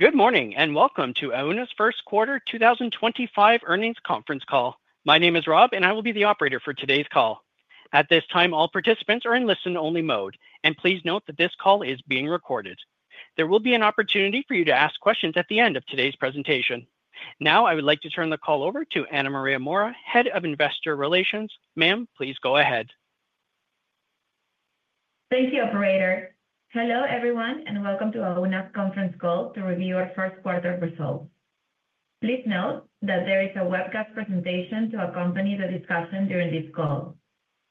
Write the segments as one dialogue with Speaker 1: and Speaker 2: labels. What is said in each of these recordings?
Speaker 1: Good morning and welcome to Auna's first quarter 2025 earnings conference call. My name is Rob, and I will be the operator for today's call. At this time, all participants are in listen-only mode, and please note that this call is being recorded. There will be an opportunity for you to ask questions at the end of today's presentation. Now, I would like to turn the call over to Ana Maria Mora, Head of Investor Relations. Ma'am, please go ahead.
Speaker 2: Thank you, Operator. Hello, everyone, and welcome to Auna's conference call to review our first quarter results. Please note that there is a webcast presentation to accompany the discussion during this call.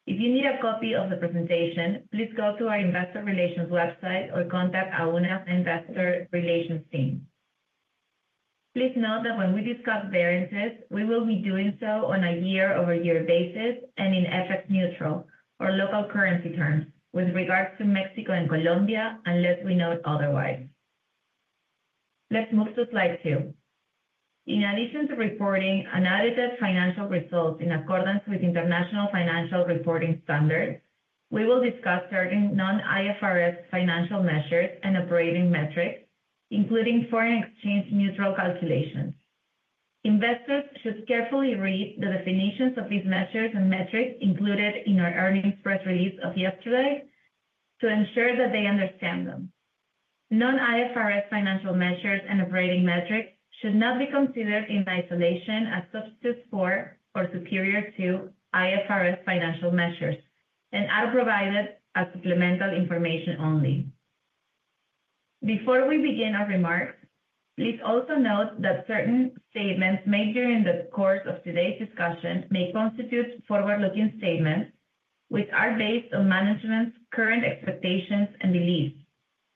Speaker 2: If you need a copy of the presentation, please go to our Investor Relations website or contact Auna's Investor Relations Team. Please note that when we discuss variances, we will be doing so on a year-over-year basis and in FX neutral or local currency terms with regards to Mexico and Colombia, unless we note otherwise. Let's move to slide two. In addition to reporting analytic financial results in accordance with International Financial Reporting Standards, we will discuss certain non-IFRS financial measures and operating metrics, including foreign exchange neutral calculations. Investors should carefully read the definitions of these measures and metrics included in our earnings press release of yesterday to ensure that they understand them. Non-IFRS financial measures and operating metrics should not be considered in isolation as substitutes for or superior to IFRS financial measures and are provided as supplemental information only. Before we begin our remarks, please also note that certain statements made during the course of today's discussion may constitute forward-looking statements which are based on management's current expectations and beliefs,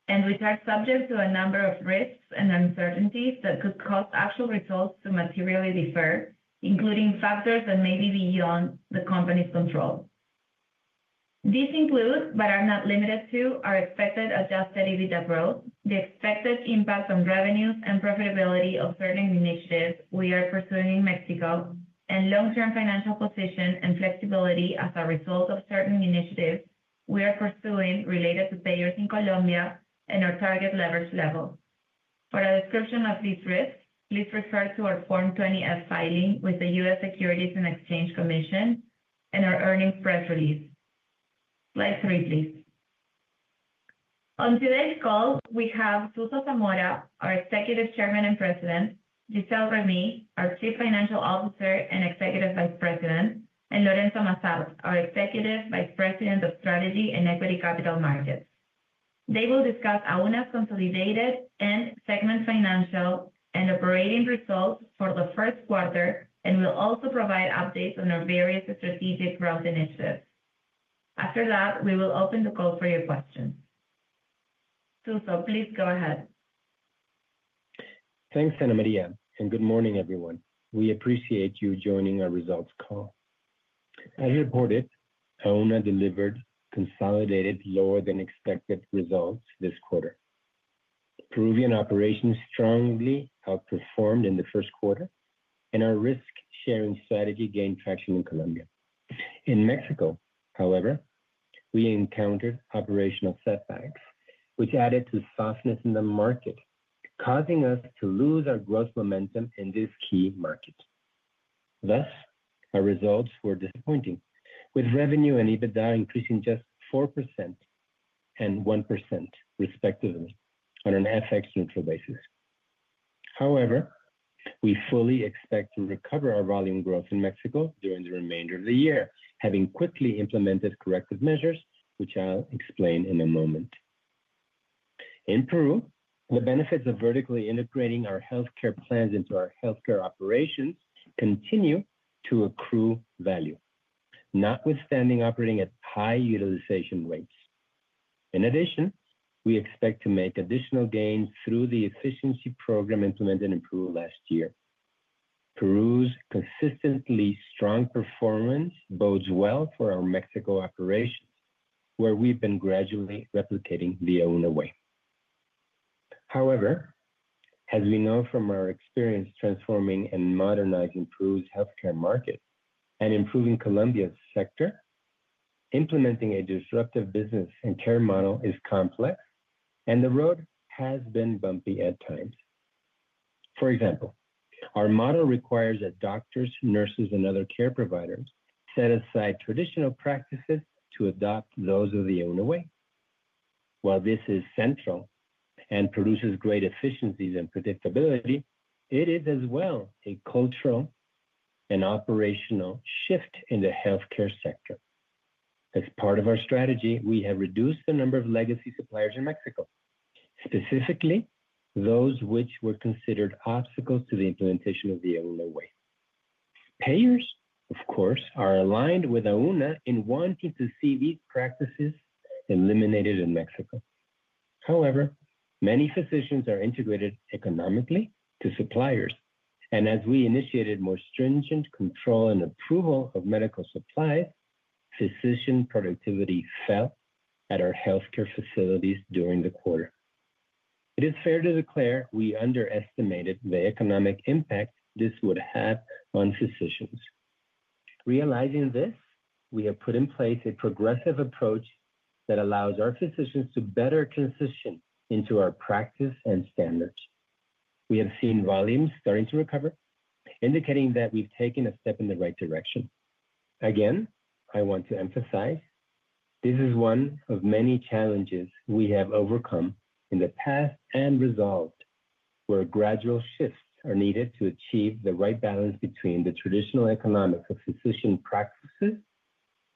Speaker 2: and which are subject to a number of risks and uncertainties that could cause actual results to materially differ, including factors that may be beyond the company's control. These include, but are not limited to, our expected Adjusted EBITDA growth, the expected impact on revenues and profitability of certain initiatives we are pursuing in Mexico, and long-term financial position and flexibility as a result of certain initiatives we are pursuing related to payers in Colombia and our target leverage level. For a description of these risks, please refer to our Form 20F filing with the U.S. Securities and Exchange Commission and our earnings press release. Slide 3, please. On today's call, we have Jesus Zamora, our Executive Chairman and President; Gisele Remy, our Chief Financial Officer and Executive Vice President; and Lorenzo Massart, our Executive Vice President of Strategy and Equity Capital Markets. They will discuss Auna's consolidated and segment financial and operating results for the first quarter and will also provide updates on our various strategic growth initiatives. After that, we will open the call for your questions. Jesus, please go ahead.
Speaker 3: Thanks, Ana Maria, and good morning, everyone. We appreciate you joining our results call. As reported, Auna delivered consolidated lower-than-expected results this quarter. Peruvian operations strongly outperformed in the first quarter, and our risk-sharing strategy gained traction in Colombia. In Mexico, however, we encountered operational setbacks, which added to softness in the market, causing us to lose our growth momentum in this key market. Thus, our results were disappointing, with revenue and EBITDA increasing just 4% and 1%, respectively, on an FX neutral basis. However, we fully expect to recover our volume growth in Mexico during the remainder of the year, having quickly implemented corrective measures, which I'll explain in a moment. In Peru, the benefits of vertically integrating our healthcare plans into our healthcare operations continue to accrue value, notwithstanding operating at high utilization rates. In addition, we expect to make additional gains through the efficiency program implemented in Peru last year. Peru's consistently strong performance bodes well for our Mexico operations, where we've been gradually replicating the AunaWay. However, as we know from our experience transforming and modernizing Peru's healthcare market and improving Colombia's sector, implementing a disruptive business and care model is complex, and the road has been bumpy at times. For example, our model requires that doctors, nurses, and other care providers set aside traditional practices to adopt those of the AunaWay. While this is central and produces great efficiencies and predictability, it is as well a cultural and operational shift in the healthcare sector. As part of our strategy, we have reduced the number of legacy suppliers in Mexico, specifically those which were considered obstacles to the implementation of the AunaWay. Payers, of course, are aligned with Auna in wanting to see these practices eliminated in Mexico. However, many physicians are integrated economically to suppliers, and as we initiated more stringent control and approval of medical supplies, physician productivity fell at our healthcare facilities during the quarter. It is fair to declare we underestimated the economic impact this would have on physicians. Realizing this, we have put in place a progressive approach that allows our physicians to better transition into our practice and standards. We have seen volumes starting to recover, indicating that we've taken a step in the right direction. Again, I want to emphasize, this is one of many challenges we have overcome in the past and resolved, where gradual shifts are needed to achieve the right balance between the traditional economics of physician practices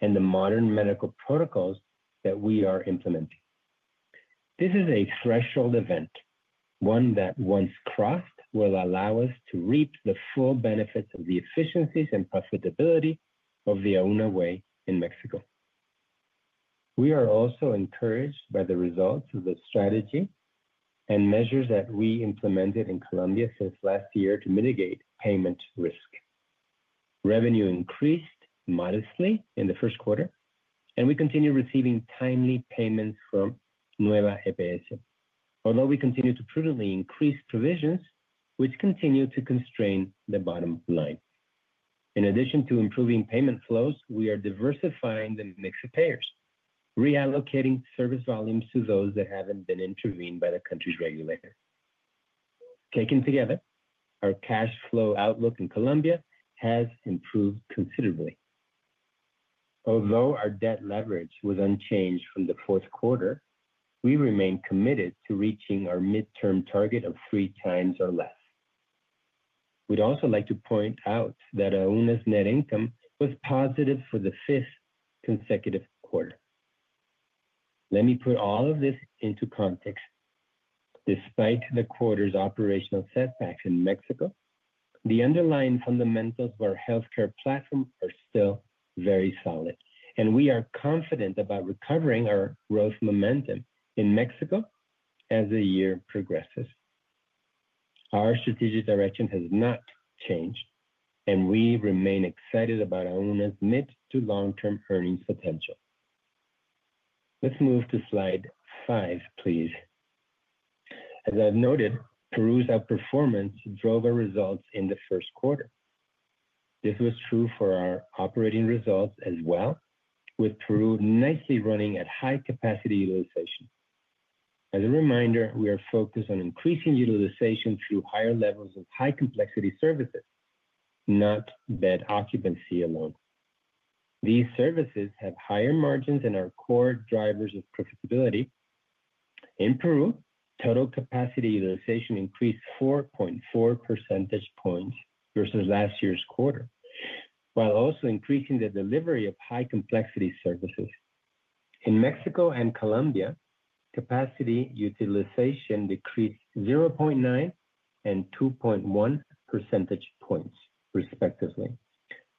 Speaker 3: and the modern medical protocols that we are implementing. This is a threshold event, one that once crossed will allow us to reap the full benefits of the efficiencies and profitability of the AunaWay in Mexico. We are also encouraged by the results of the strategy and measures that we implemented in Colombia since last year to mitigate payment risk. Revenue increased modestly in the first quarter, and we continue receiving timely payments from Nueva EPS, although we continue to prudently increase provisions, which continue to constrain the bottom line. In addition to improving payment flows, we are diversifying the mix of payers, reallocating service volumes to those that have not been intervened by the country's regulators. Taken together, our cash flow outlook in Colombia has improved considerably. Although our debt leverage was unchanged from the fourth quarter, we remain committed to reaching our midterm target of three times or less. We'd also like to point out that Auna's net income was positive for the fifth consecutive quarter. Let me put all of this into context. Despite the quarter's operational setbacks in Mexico, the underlying fundamentals of our healthcare platform are still very solid, and we are confident about recovering our growth momentum in Mexico as the year progresses. Our strategic direction has not changed, and we remain excited about Auna's mid to long-term earnings potential. Let's move to slide five, please. As I've noted, Peru's outperformance drove our results in the first quarter. This was true for our operating results as well, with Peru nicely running at high capacity utilization. As a reminder, we are focused on increasing utilization through higher levels of high-complexity services, not bed occupancy alone. These services have higher margins and are core drivers of profitability. In Peru, total capacity utilization increased 4.4 percentage points versus last year's quarter, while also increasing the delivery of high-complexity services. In Mexico and Colombia, capacity utilization decreased 0.9 and 2.1 percentage points, respectively,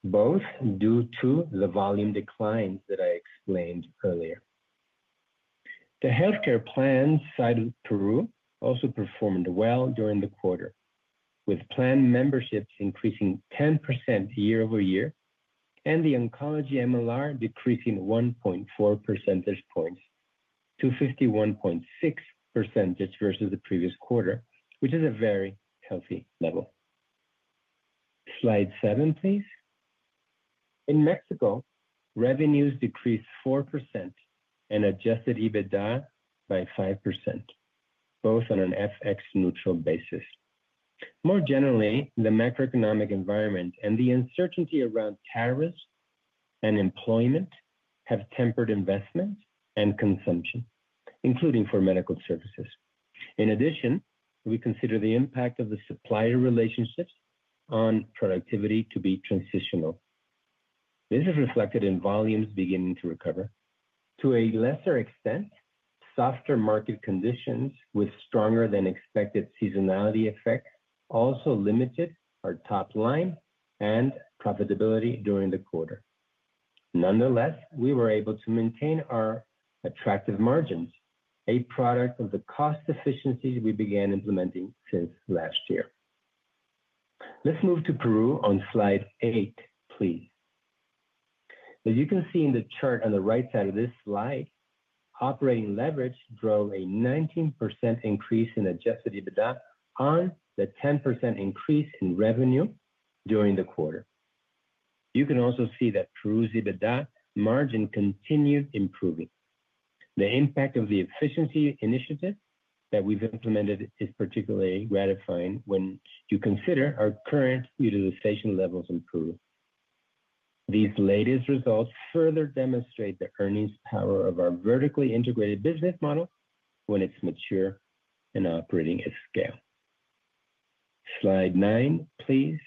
Speaker 3: both due to the volume declines that I explained earlier. The healthcare plans side of Peru also performed well during the quarter, with plan memberships increasing 10% year over year and the oncology MLR decreasing 1.4 percentage points to 51.6% versus the previous quarter, which is a very healthy level. Slide seven, please. In Mexico, revenues decreased 4% and Adjusted EBITDA by 5%, both on an FX neutral basis. More generally, the macroeconomic environment and the uncertainty around tariffs and employment have tempered investment and consumption, including for medical services. In addition, we consider the impact of the supplier relationships on productivity to be transitional. This is reflected in volumes beginning to recover. To a lesser extent, softer market conditions with stronger-than-expected seasonality effects also limited our top line and profitability during the quarter. Nonetheless, we were able to maintain our attractive margins, a product of the cost efficiencies we began implementing since last year. Let's move to Peru on Slide 8, please. As you can see in the chart on the right side of this slide, operating leverage drove a 19% increase in Adjusted EBITDA on the 10% increase in revenue during the quarter. You can also see that Peru's EBITDA margin continued improving. The impact of the efficiency initiative that we've implemented is particularly gratifying when you consider our current utilization levels in Peru. These latest results further demonstrate the earnings power of our vertically integrated business model when it's mature and operating at scale. Slide 9, please.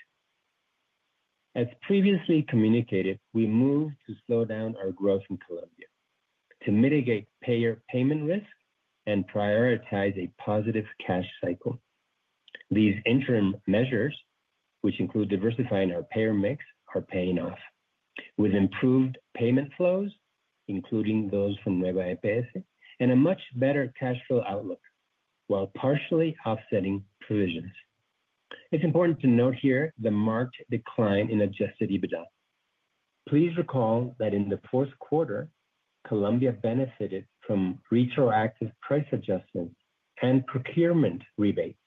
Speaker 3: As previously communicated, we moved to slow down our growth in Colombia to mitigate payer payment risk and prioritize a positive cash cycle. These interim measures, which include diversifying our payer mix, are paying off, with improved payment flows, including those from Nueva EPS, and a much better cash flow outlook, while partially offsetting provisions. It's important to note here the marked decline in Adjusted EBITDA. Please recall that in the fourth quarter, Colombia benefited from retroactive price adjustments and procurement rebates,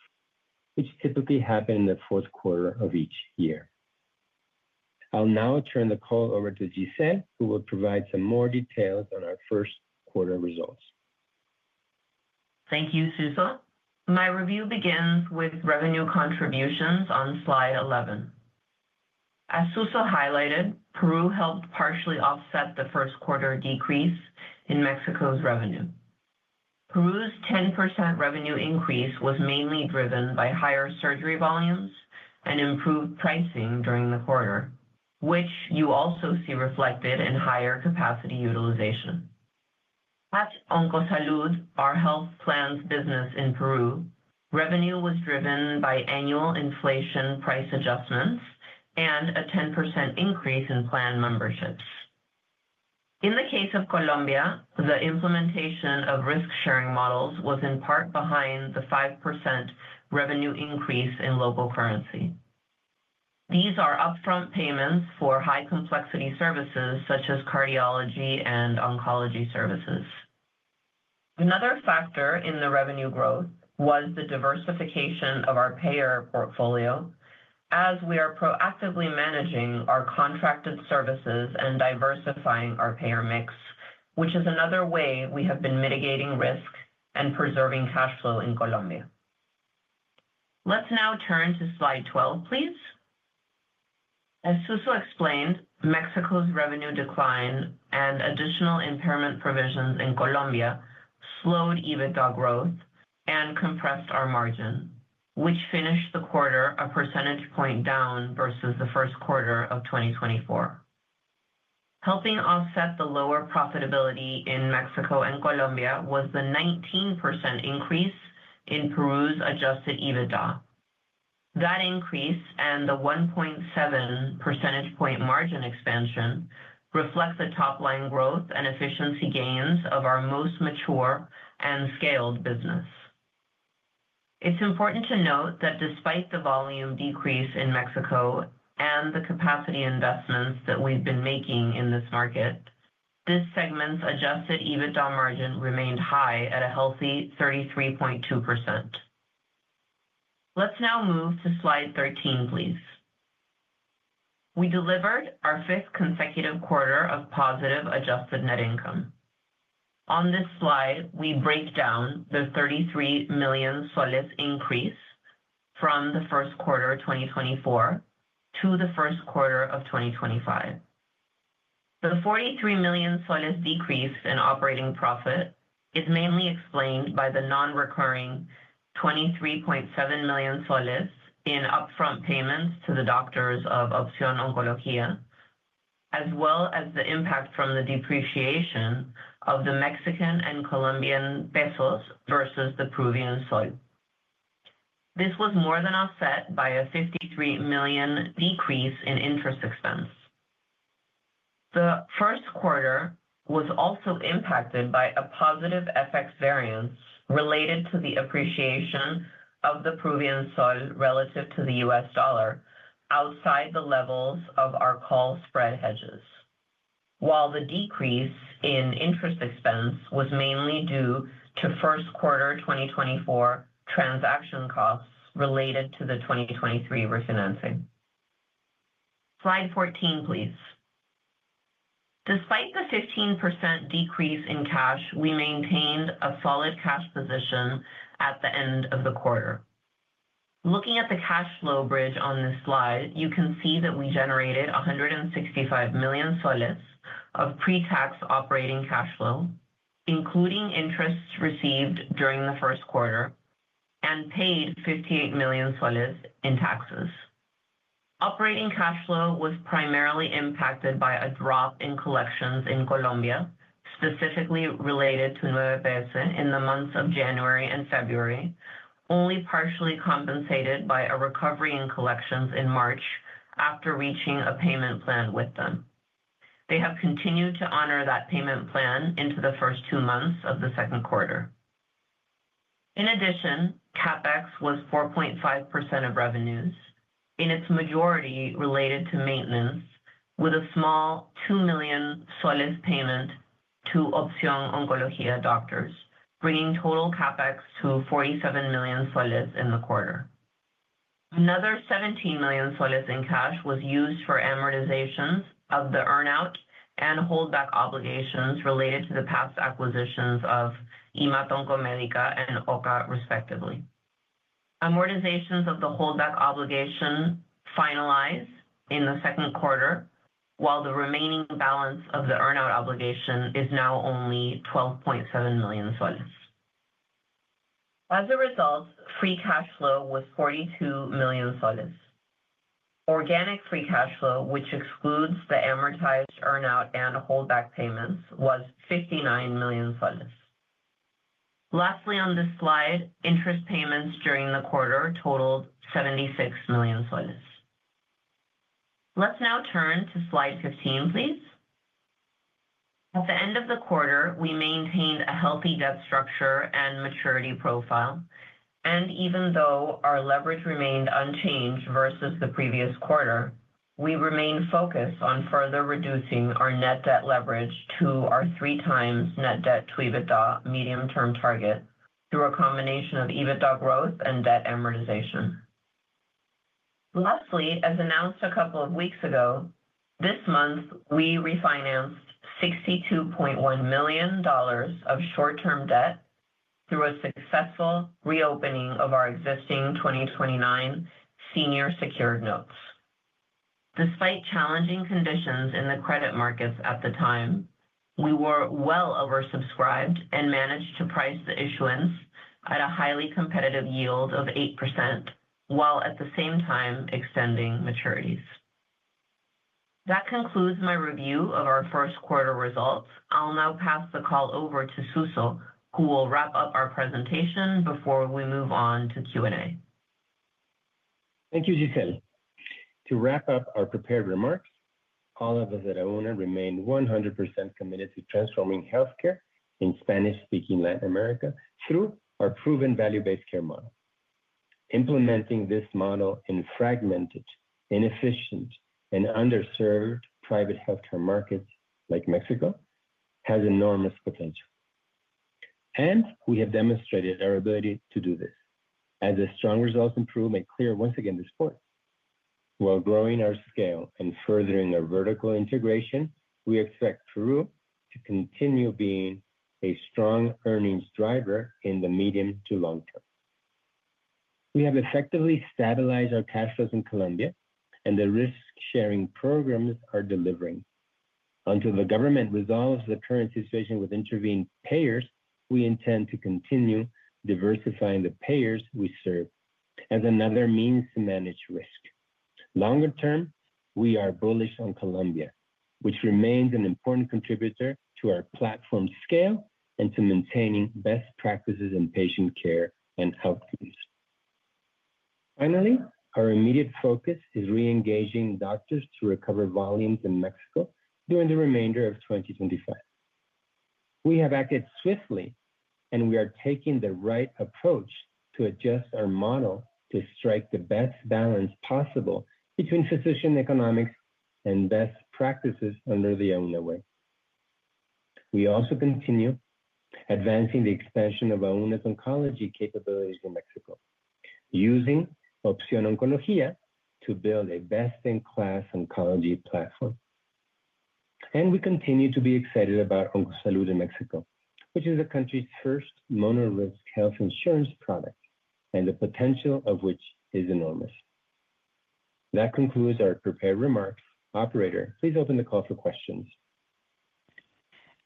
Speaker 3: which typically happen in the fourth quarter of each year. I'll now turn the call over to Gisele, who will provide some more details on our first quarter results.
Speaker 4: Thank you, Jesus. My review begins with revenue contributions on slide 11. As Jesus highlighted, Peru helped partially offset the first quarter decrease in Mexico's revenue. Peru's 10% revenue increase was mainly driven by higher surgery volumes and improved pricing during the quarter, which you also see reflected in higher capacity utilization. At Oncosalud, our health plans business in Peru, revenue was driven by annual inflation price adjustments and a 10% increase in plan memberships. In the case of Colombia, the implementation of risk-sharing models was in part behind the 5% revenue increase in local currency. These are upfront payments for high-complexity services such as cardiology and oncology services. Another factor in the revenue growth was the diversification of our payer portfolio, as we are proactively managing our contracted services and diversifying our payer mix, which is another way we have been mitigating risk and preserving cash flow in Colombia. Let's now turn to slide 12, please. As Jesus explained, Mexico's revenue decline and additional impairment provisions in Colombia slowed EBITDA growth and compressed our margin, which finished the quarter a percentage point down versus the first quarter of 2024. Helping offset the lower profitability in Mexico and Colombia was the 19% increase in Peru's Adjusted EBITDA. That increase and the 1.7 percentage point margin expansion reflect the top line growth and efficiency gains of our most mature and scaled business. It's important to note that despite the volume decrease in Mexico and the capacity investments that we've been making in this market, this segment's adjusted EBITDA margin remained high at a healthy 33.2%. Let's now move to Slide 13, please. We delivered our fifth consecutive quarter of positive adjusted net income. On this slide, we break down the PEN 33 million increase from the first quarter of 2024 to the first quarter of 2025. The PEN 43 million decrease in operating profit is mainly explained by the non-recurring PEN 23.7 million in upfront payments to the doctors of Opción Oncología, as well as the impact from the depreciation of the Mexican and Colombian pesos versus the Peruvian sol. This was more than offset by a PEN 53 million decrease in interest expense. The first quarter was also impacted by a positive FX variance related to the appreciation of the Peruvian sol relative to the US dollar outside the levels of our call spread hedges, while the decrease in interest expense was mainly due to first quarter 2024 transaction costs related to the 2023 refinancing. Slide 14, please. Despite the 15% decrease in cash, we maintained a solid cash position at the end of the quarter. Looking at the cash flow bridge on this slide, you can see that we generated PEN 165 million of pre-tax operating cash flow, including interest received during the first quarter and paid PEN 58 million in taxes. Operating cash flow was primarily impacted by a drop in collections in Colombia, specifically related to Nueva EPS in the months of January and February, only partially compensated by a recovery in collections in March after reaching a payment plan with them. They have continued to honor that payment plan into the first two months of the second quarter. In addition, CapEx was 4.5% of revenues, in its majority related to maintenance, with a small PEN 2 million payment to Opción Oncología doctors, bringing total CapEx to PEN 47 million in the quarter. Another PEN 17 million in cash was used for amortizations of the earn-out and hold-back obligations related to the past acquisitions of IMAT Oncomédica and OCA, respectively. Amortizations of the hold-back obligation finalized in the second quarter, while the remaining balance of the earn-out obligation is now only PEN 12.7 million. As a result, free cash flow was PEN 42 million. Organic free cash flow, which excludes the amortized earn-out and hold-back payments, was PEN 59 million. Lastly, on this slide, interest payments during the quarter totaled PEN 76 million. Let's now turn to Slide 15, please. At the end of the quarter, we maintained a healthy debt structure and maturity profile, and even though our leverage remained unchanged versus the previous quarter, we remained focused on further reducing our net debt leverage to our three-times net debt to EBITDA medium-term target through a combination of EBITDA growth and debt amortization. Lastly, as announced a couple of weeks ago, this month we refinanced $62.1 million of short-term debt through a successful reopening of our existing 2029 senior secured notes. Despite challenging conditions in the credit markets at the time, we were well oversubscribed and managed to price the issuance at a highly competitive yield of 8%, while at the same time extending maturities. That concludes my review of our first quarter results. I'll now pass the call over to Jesus, who will wrap up our presentation before we move on to Q&A.
Speaker 3: Thank you, Gisele. To wrap up our prepared remarks, all of us at Auna remain 100% committed to transforming healthcare in Spanish-speaking Latin America through our proven value-based care model. Implementing this model in fragmented, inefficient, and underserved private healthcare markets like Mexico has enormous potential, and we have demonstrated our ability to do this. As a strong result, Peru made clear once again this point. While growing our scale and furthering our vertical integration, we expect Peru to continue being a strong earnings driver in the medium to long term. We have effectively stabilized our cash flows in Colombia, and the risk-sharing programs are delivering. Until the government resolves the current situation with intervening payers, we intend to continue diversifying the payers we serve as another means to manage risk. Longer term, we are bullish on Colombia, which remains an important contributor to our platform scale and to maintaining best practices in patient care and healthcare use. Finally, our immediate focus is re-engaging doctors to recover volumes in Mexico during the remainder of 2025. We have acted swiftly, and we are taking the right approach to adjust our model to strike the best balance possible between physician economics and best practices under the AunaWay. We also continue advancing the expansion of Auna's oncology capabilities in Mexico, using Opción Oncología to build a best-in-class oncology platform. We continue to be excited about Oncosalud in Mexico, which is the country's first mono-risk health insurance product, and the potential of which is enormous. That concludes our prepared remarks. Operator, please open the call for questions.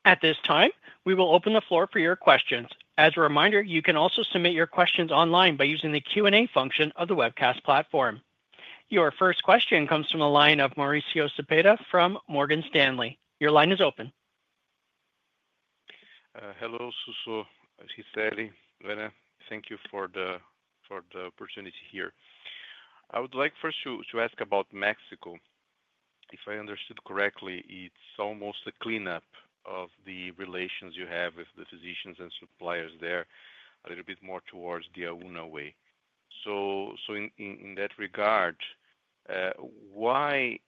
Speaker 1: At this time, we will open the floor for your questions. As a reminder, you can also submit your questions online by using the Q&A function of the webcast platform. Your first question comes from the line of Mauricio Cepeda from Morgan Stanley. Your line is open.
Speaker 5: Hello, Jesus, Gisele, Ana. Thank you for the opportunity here. I would like first to ask about Mexico. If I understood correctly, it's almost a cleanup of the relations you have with the physicians and suppliers there, a little bit more towards the AunaWay. In that regard, why are you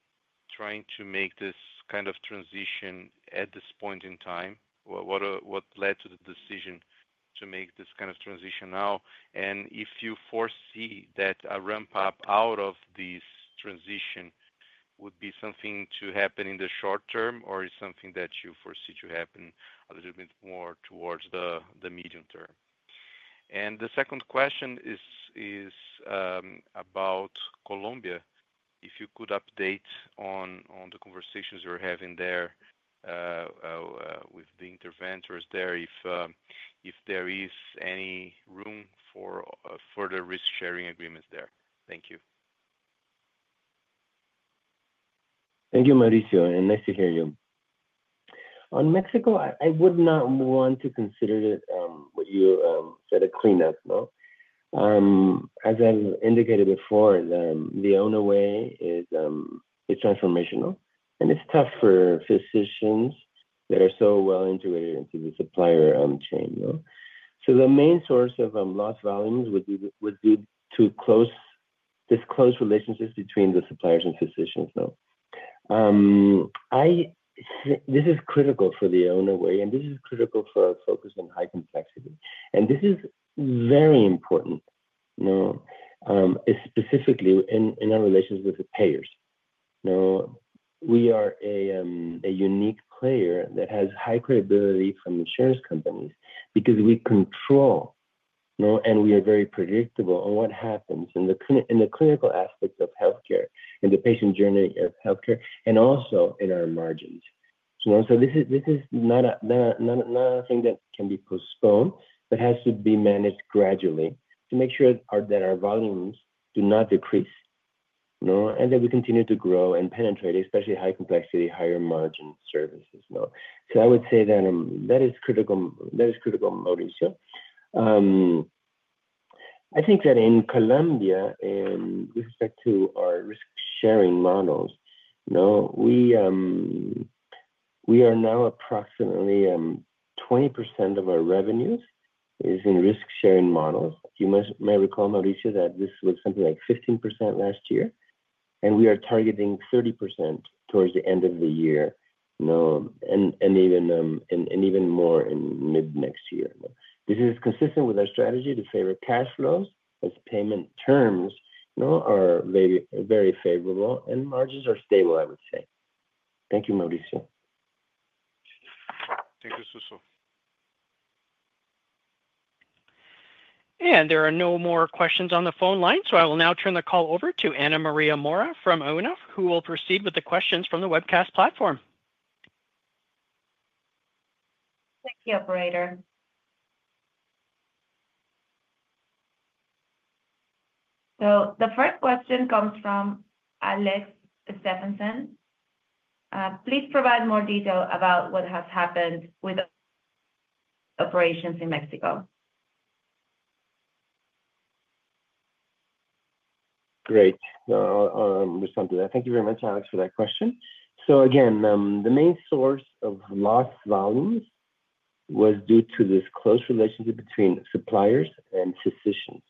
Speaker 5: trying to make this kind of transition at this point in time? What led to the decision to make this kind of transition now? If you foresee that a ramp-up out of this transition would be something to happen in the short term, or is it something that you foresee to happen a little bit more towards the medium term? The second question is about Colombia. If you could update on the conversations you're having there with the interventors there, if there is any room for further risk-sharing agreements there. Thank you.
Speaker 3: Thank you, Mauricio, and nice to hear you. On Mexico, I would not want to consider what you said a cleanup. As I've indicated before, the AunaWay is transformational, and it's tough for physicians that are so well integrated into the supplier chain. The main source of lost volumes would be this close relationship between the suppliers and physicians. This is critical for the AunaWay, and this is critical for our focus on high complexity. This is very important, specifically in our relations with the payers. We are a unique player that has high credibility from insurance companies because we control, and we are very predictable on what happens in the clinical aspects of healthcare and the patient journey of healthcare, and also in our margins. This is not a thing that can be postponed, but has to be managed gradually to make sure that our volumes do not decrease and that we continue to grow and penetrate, especially high complexity, higher margin services. I would say that that is critical, Mauricio. I think that in Colombia, with respect to our risk-sharing models, we are now approximately 20% of our revenues is in risk-sharing models. You may recall, Mauricio, that this was something like 15% last year, and we are targeting 30% towards the end of the year and even more in mid next year. This is consistent with our strategy to favor cash flows as payment terms are very favorable, and margins are stable, I would say. Thank you, Mauricio.
Speaker 5: Thank you, Jesus.
Speaker 1: There are no more questions on the phone line, so I will now turn the call over to Ana Maria Mora from Auna, who will proceed with the questions from the webcast platform.
Speaker 2: Thank you, Operator. The first question comes from Alex Stephenson. Please provide more detail about what has happened with operations in Mexico.
Speaker 3: Great. I'll respond to that. Thank you very much, Alex, for that question. Again, the main source of lost volumes was due to this close relationship between suppliers and physicians.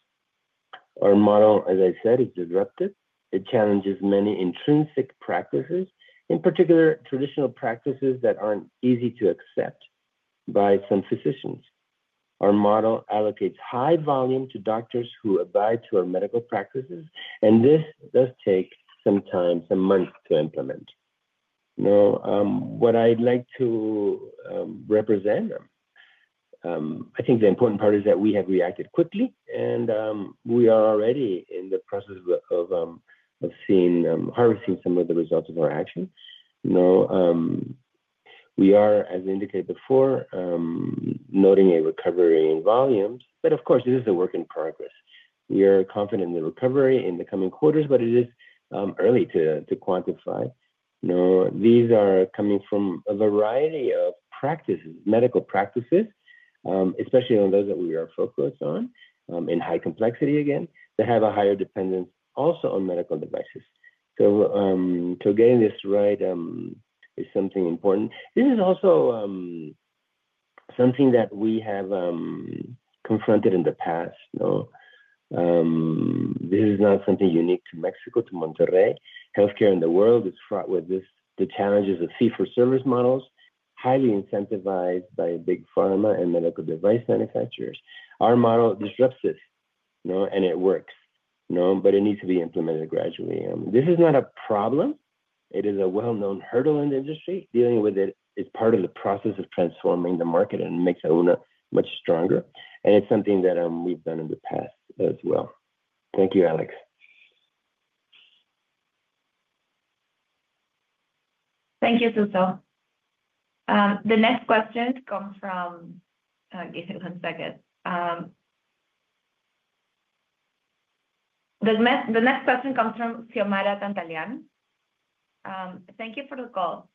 Speaker 3: Our model, as I said, is disruptive. It challenges many intrinsic practices, in particular, traditional practices that aren't easy to accept by some physicians. Our model allocates high volume to doctors who abide to our medical practices, and this does take some time, some months to implement. What I'd like to represent, I think the important part is that we have reacted quickly, and we are already in the process of harvesting some of the results of our action. We are, as indicated before, noting a recovery in volumes, but of course, this is a work in progress. We are confident in the recovery in the coming quarters, but it is early to quantify. These are coming from a variety of practices, medical practices, especially on those that we are focused on in high complexity, again, that have a higher dependence also on medical devices. Getting this right is something important. This is also something that we have confronted in the past. This is not something unique to Mexico, to Monterrey. Healthcare in the world is fraught with the challenges of fee-for-service models, highly incentivized by big pharma and medical device manufacturers. Our model disrupts this, and it works, but it needs to be implemented gradually. This is not a problem. It is a well-known hurdle in the industry. Dealing with it is part of the process of transforming the market and makes Auna much stronger, and it's something that we've done in the past as well. Thank you, Alex.
Speaker 2: Thank you, Jesus. The next question comes from Gisele Remy. The next question comes from Xiomara Tantalean. Thank you for the call.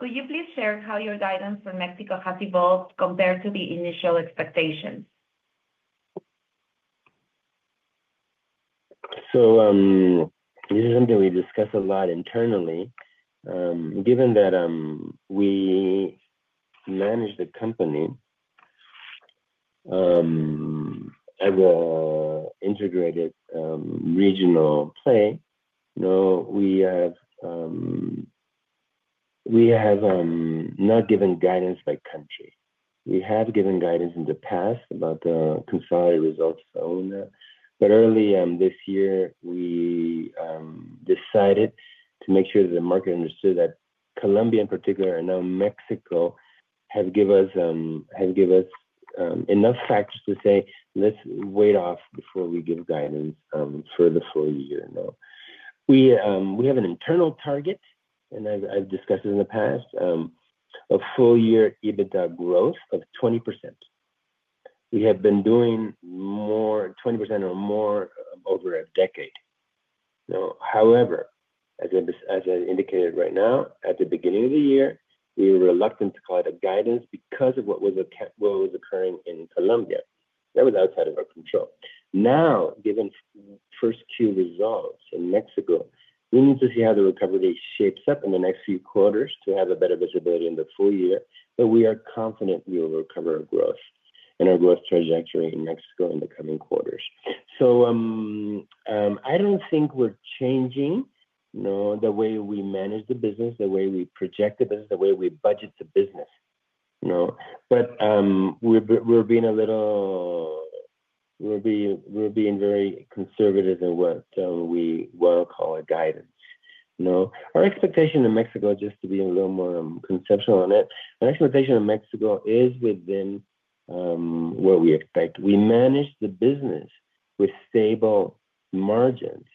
Speaker 2: Could you please share how your guidance for Mexico has evolved compared to the initial expectations?
Speaker 3: This is something we discuss a lot internally. Given that we manage the company as an integrated regional play, we have not given guidance by country. We have given guidance in the past about the consolidated results for Auna, but early this year, we decided to make sure that the market understood that Colombia, in particular, and now Mexico have given us enough facts to say, "Let's wait off before we give guidance for the full year." We have an internal target, and I've discussed this in the past, of full-year EBITDA growth of 20%. We have been doing 20% or more over a decade. However, as I indicated right now, at the beginning of the year, we were reluctant to call it a guidance because of what was occurring in Colombia. That was outside of our control. Now, given first-tier results in Mexico, we need to see how the recovery shapes up in the next few quarters to have a better visibility in the full year, but we are confident we will recover our growth and our growth trajectory in Mexico in the coming quarters. I do not think we are changing the way we manage the business, the way we project the business, the way we budget the business, but we are being very conservative in what we will call a guidance. Our expectation in Mexico, just to be a little more conceptual on it, our expectation in Mexico is within what we expect. We manage the business with stable margins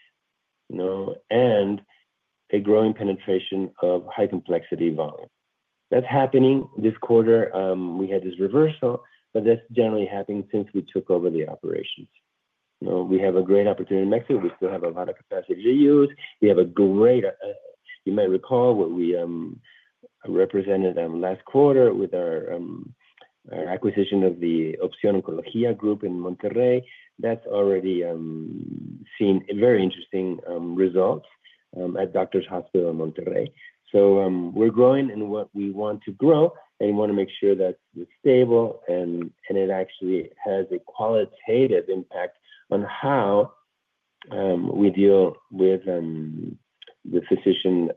Speaker 3: and a growing penetration of high-complexity volume. That is happening this quarter. We had this reversal, but that is generally happening since we took over the operations. We have a great opportunity in Mexico. We still have a lot of capacity to use. We have a great, you may recall what we represented last quarter with our acquisition of the Opción Oncología group in Monterrey. That has already seen very interesting results at Doctors Hospital in Monterrey. We are growing in what we want to grow, and we want to make sure that it is stable and it actually has a qualitative impact on how we deal with the physician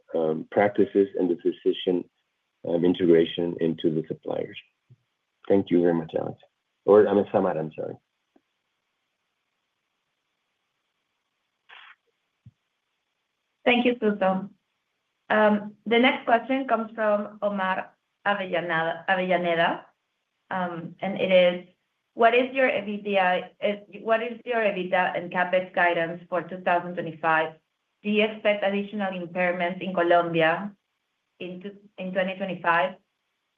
Speaker 3: practices and the physician integration into the suppliers. Thank you very much, Alex. Or I mean, Xiomara, I am sorry.
Speaker 2: Thank you, Jesus. The next question comes from Omar Avellaneda, and it is, what is your EBITDA and CapEx guidance for 2025? Do you expect additional impairments in Colombia in 2025?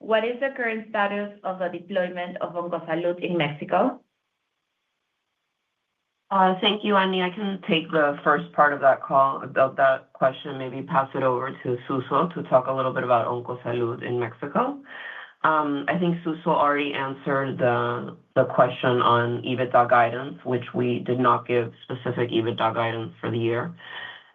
Speaker 2: What is the current status of the deployment of Oncosalud in Mexico?
Speaker 4: Thank you, Annie. I can take the first part of that call about that question, maybe pass it over to Jesus to talk a little bit about Oncosalud in Mexico. I think Jesus already answered the question on EBITDA guidance, which we did not give specific EBITDA guidance for the year.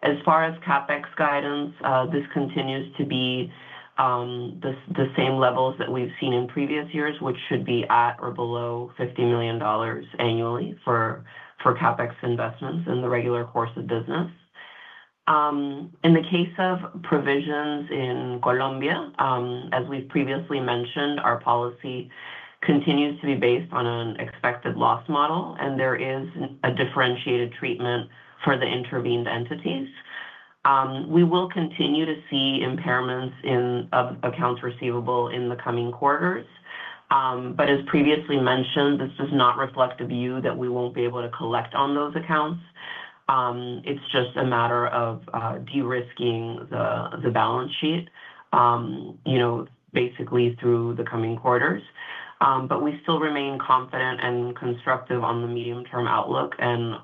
Speaker 4: As far as CapEx guidance, this continues to be the same levels that we've seen in previous years, which should be at or below $50 million annually for CapEx investments in the regular course of business. In the case of provisions in Colombia, as we've previously mentioned, our policy continues to be based on an expected loss model, and there is a differentiated treatment for the intervened entities. We will continue to see impairments of accounts receivable in the coming quarters, but as previously mentioned, this does not reflect a view that we won't be able to collect on those accounts. It's just a matter of de-risking the balance sheet, basically through the coming quarters. We still remain confident and constructive on the medium-term outlook and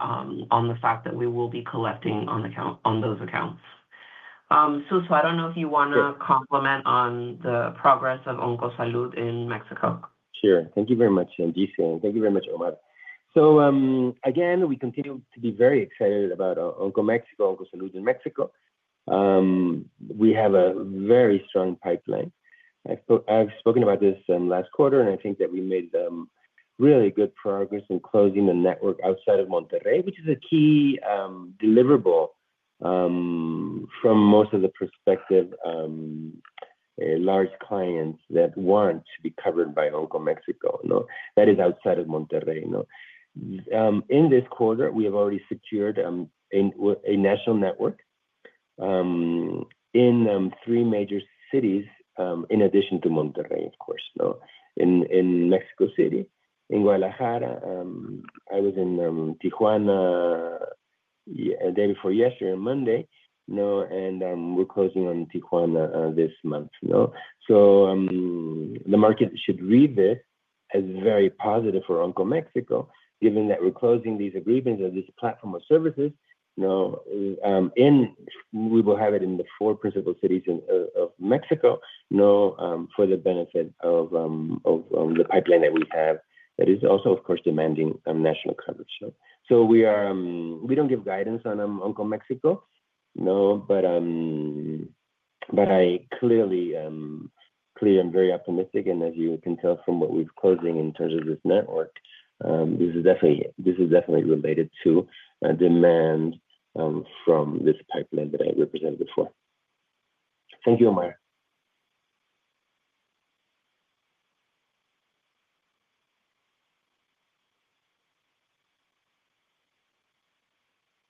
Speaker 4: on the fact that we will be collecting on those accounts. Jesus, I don't know if you want to complement on the progress of Oncosalud in Mexico.
Speaker 3: Sure. Thank you very much, Gisele. Thank you very much, Omar. Again, we continue to be very excited about Oncosalud in Mexico. We have a very strong pipeline. I've spoken about this last quarter, and I think that we made really good progress in closing the network outside of Monterrey, which is a key deliverable from most of the perspective large clients that want to be covered by Oncosalud Mexico. That is outside of Monterrey. In this quarter, we have already secured a national network in three major cities, in addition to Monterrey, of course, in Mexico City, in Guadalajara. I was in Tijuana the day before yesterday, Monday, and we're closing on Tijuana this month. The market should read this as very positive for Oncosalud Mexico, given that we're closing these agreements of this platform of services, and we will have it in the four principal cities of Mexico for the benefit of the pipeline that we have that is also, of course, demanding national coverage. We do not give guidance on Oncosalud Mexico, but I clearly am very optimistic, and as you can tell from what we're closing in terms of this network, this is definitely related to demand from this pipeline that I represented before. Thank you, Omar.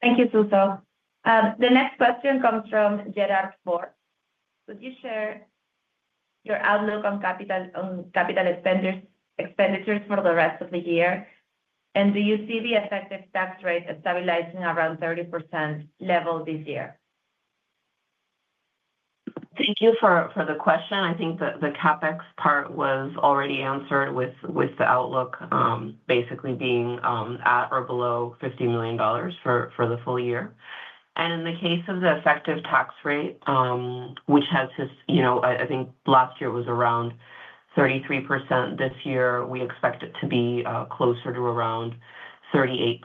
Speaker 2: Thank you, Jesus. The next question comes from Gerard Forbes. Could you share your outlook on capital expenditures for the rest of the year? Do you see the effective tax rate stabilizing around the 30% level this year?
Speaker 4: Thank you for the question. I think the CapEx part was already answered with the outlook basically being at or below $50 million for the full year. In the case of the effective tax rate, which has, I think, last year was around 33%. This year, we expect it to be closer to around 38%.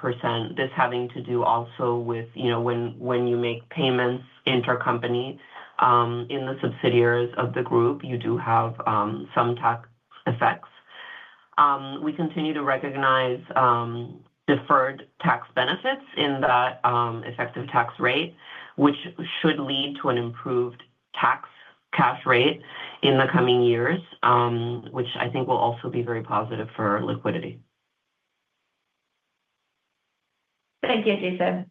Speaker 4: This has to do also with when you make payments intercompany in the subsidiaries of the group, you do have some tax effects. We continue to recognize deferred tax benefits in that effective tax rate, which should lead to an improved tax cash rate in the coming years, which I think will also be very positive for liquidity.
Speaker 2: Thank you, Gisele.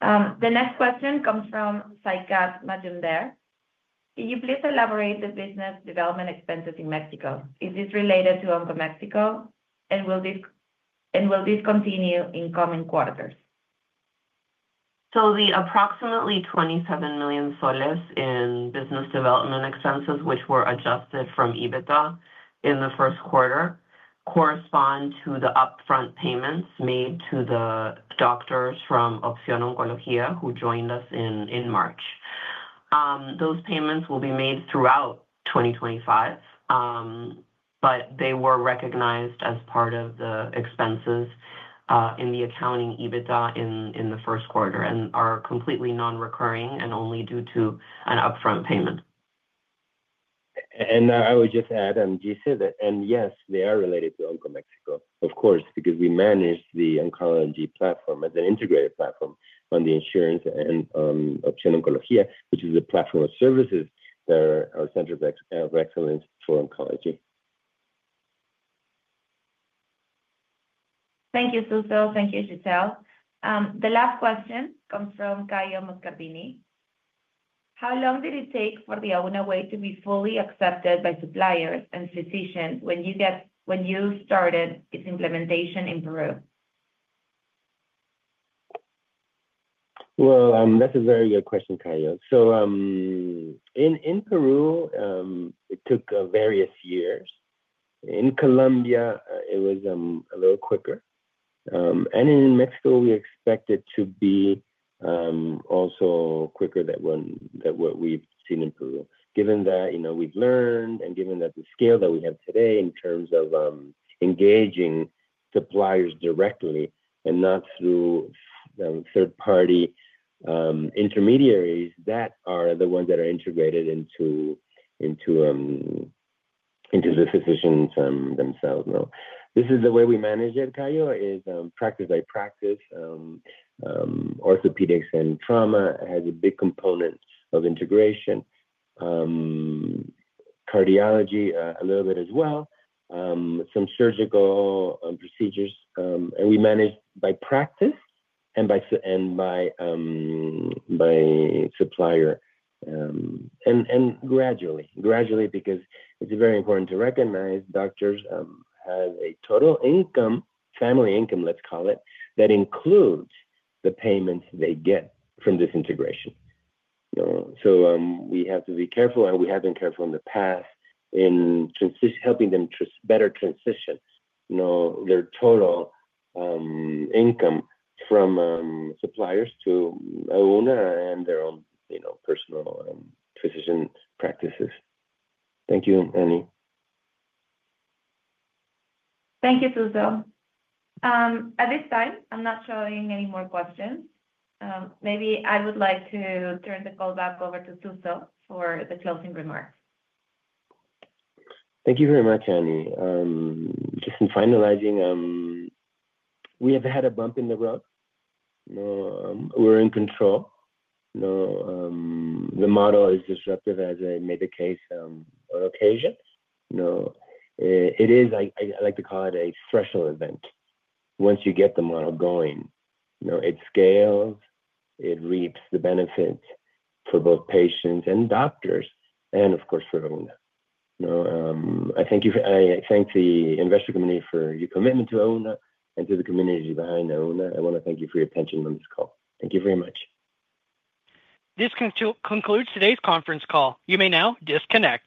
Speaker 2: The next question comes from Saikat Majumder. Could you please elaborate the business development expenses in Mexico? Is this related to Oncosalud Mexico, and will this continue in coming quarters?
Speaker 4: The approximately $27 million in business development expenses, which were adjusted from EBITDA in the first quarter, correspond to the upfront payments made to the doctors from Opción Oncología who joined us in March. Those payments will be made throughout 2025, but they were recognized as part of the expenses in the accounting EBITDA in the first quarter and are completely non-recurring and only due to an upfront payment.
Speaker 3: I would just add, Gisele, yes, they are related to Oncosalud Mexico, of course, because we manage the oncology platform as an integrated platform on the insurance and Opción Oncología, which is the platform of services that are our centers of excellence for oncology.
Speaker 2: Thank you, Jesus. Thank you, Gisele. The last question comes from Caio Muscabini. How long did it take for the Auna way to be fully accepted by suppliers and physicians when you started its implementation in Peru?
Speaker 3: That is a very good question, Caio. In Peru, it took various years. In Colombia, it was a little quicker. In Mexico, we expect it to be also quicker than what we have seen in Peru, given that we have learned and given the scale that we have today in terms of engaging suppliers directly and not through third-party intermediaries that are the ones that are integrated into the physicians themselves. This is the way we manage it, Caio: practice by practice. Orthopedics and trauma has a big component of integration. Cardiology a little bit as well. Some surgical procedures. We manage by practice and by supplier. Gradually, gradually, because it is very important to recognize doctors have a total income, family income, let's call it, that includes the payments they get from this integration. We have to be careful, and we have been careful in the past in helping them better transition their total income from suppliers to Auna and their own personal physician practices. Thank you, Annie.
Speaker 2: Thank you, Jesus. At this time, I'm not showing any more questions. Maybe I would like to turn the call back over to Jesus for the closing remarks.
Speaker 3: Thank you very much, Annie. Just in finalizing, we have had a bump in the road. We're in control. The model is disruptive, as I made the case on occasion. It is, I like to call it, a threshold event. Once you get the model going, it scales, it reaps the benefits for both patients and doctors, and of course, for Auna. I thank the investor community for your commitment to Auna and to the community behind Auna. I want to thank you for your attention on this call. Thank you very much.
Speaker 1: This concludes today's conference call. You may now disconnect.